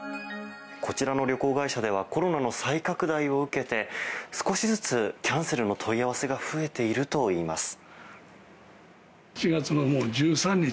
こちらの旅行会社ではコロナの再拡大を受けて少しずつキャンセルの問い合わせが増えているといいます。